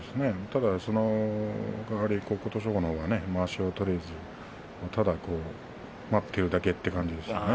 ただ琴勝峰のほうはまわしが取れずただ待っているだけという感じでしたね。